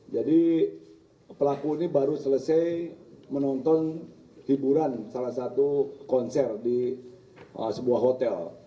jadi pelaku ini baru selesai menonton hiburan salah satu konser di sebuah hotel